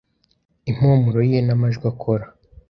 Impumuro ye, n'amajwi akora